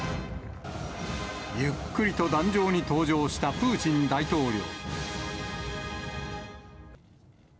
ゆっくりと壇上に登場したプーチン大統領。